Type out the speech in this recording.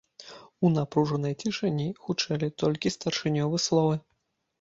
У напружанай цішыні гучэлі толькі старшынёвы словы.